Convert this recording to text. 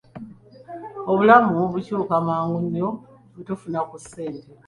Obulamu bukyuka mangu nnyo bwe tufuna ku ssente.